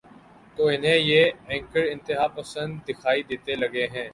تو انہیں یہ اینکر انتہا پسند دکھائی دینے لگے ہیں۔